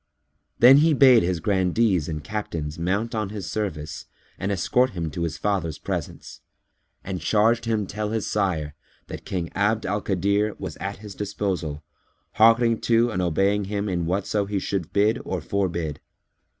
Then he bade his Grandees and Captains mount on his service and escort him to his father's presence; and charged him tell his sire that King Abd al Kadir was at his disposal, hearkening to and obeying him in whatso he should bid or forbid.